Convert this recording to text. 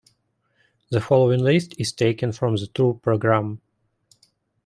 The following list is taken from the tour programme.